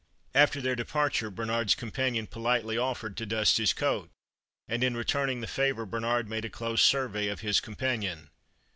After their departure Bernard's companion politely offered to dust his coat, and in returning the favor Bernard made a close survey of his companion.